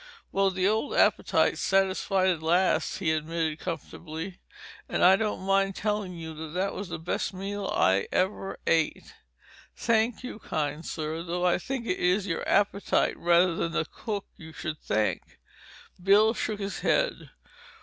"Well, the old appetite's satisfied at last," he admitted comfortably. "And I don't mind telling you that was the best meal I ever ate." "Thank you, kind sir. Though I think it is your appetite rather than the cook you should thank." Bill shook his head.